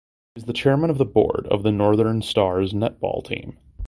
He is the chairman of the board of the Northern Stars netball team.